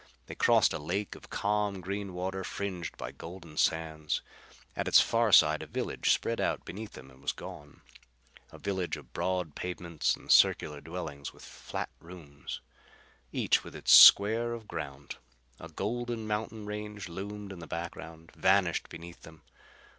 They crossed a lake of calm green water fringed by golden sands. At its far side a village spread out beneath them and was gone; a village of broad pavements and circular dwellings with flat rooms, each with its square of ground. A golden, mountain range loomed in the background; vanished beneath them.